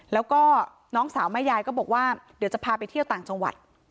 แล้วก็น้องสาวแม่ยายก็บอกว่าเดี๋ยวจะพาไปเที่ยวต่างจังหวัด